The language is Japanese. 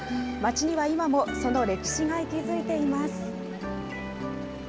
街には今も、その歴史が息づいています。